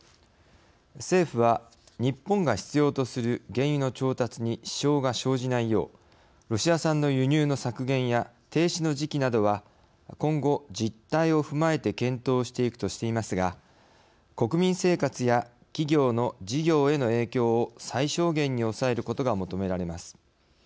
政府は、日本が必要とする原油の調達に支障が生じないようロシア産の輸入の削減や停止の時期などは今後、実態を踏まえて検討していくとしていますが国民生活や企業の事業への影響を最小限に抑えることが求められます。